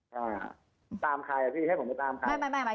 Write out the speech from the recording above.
ใช่ตามใครอ่ะพี่ให้ผมไปตามใคร